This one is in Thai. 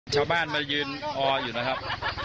ชาวบ้านมายืนรออยู่นะครับ